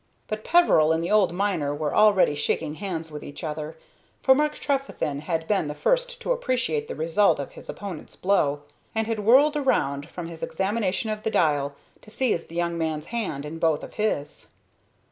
But Peveril and the old miner were already shaking hands with each other, for Mark Trefethen had been the first to appreciate the result of his opponent's blow, and had whirled around from his examination of the dial to seize the young man's hand in both of his.